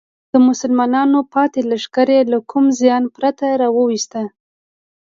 د مسلمانانو پاتې لښکر یې له کوم زیان پرته راوویست.